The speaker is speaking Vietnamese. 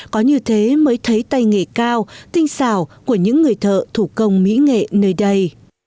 có như thế mới thấy tay nghề cao tinh xảo của những người thợ thủ công mỹ nghệ nơi đây